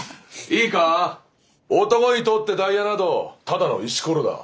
いいか男にとってダイヤなどただの石ころだ。